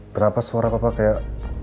kenapa suara papa kayak